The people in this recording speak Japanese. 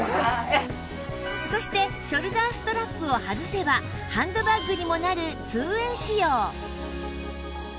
そしてショルダーストラップを外せばハンドバッグにもなる ２ＷＡＹ 仕様